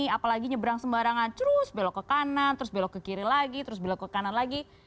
apalagi nyebrang sembarangan terus belok ke kanan terus belok ke kiri lagi terus belok ke kanan lagi